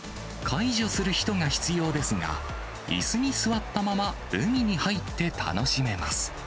介助する人が必要ですが、いすに座ったまま、海に入って楽しめます。